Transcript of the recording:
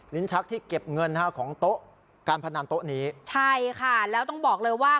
ชักที่เก็บเงินฮะของโต๊ะการพนันโต๊ะนี้ใช่ค่ะแล้วต้องบอกเลยว่า